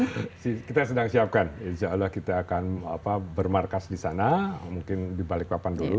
kita sedang siapkan insya allah kita akan bermarkas di sana mungkin di balikpapan dulu